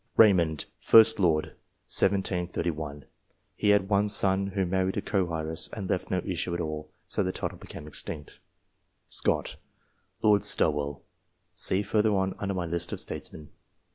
Raymond, 1st Lord (1731). He had one son, who married a co heiress, and left no issue at all, so the title became extinct. Scott, Lord Stowell. See further on, under my list of STATESMEN.